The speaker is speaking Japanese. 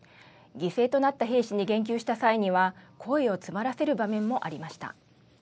犠牲となった兵士に言及した際には、声を詰まらせる場面もありました。